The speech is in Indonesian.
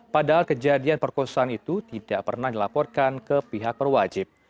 padahal kejadian perkosaan itu tidak pernah dilaporkan ke pihak perwajib